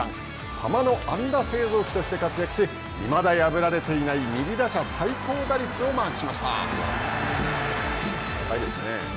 ハマの安打製造機として活躍し、いまだ破られていない右打者最高打率をマークしました。